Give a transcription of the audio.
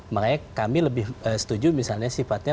makanya kami lebih setuju misalnya sifatnya